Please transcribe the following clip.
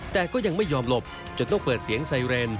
แต่ก็ยังไม่ยอมหลบจนต้องเปิดเสียงไซเรน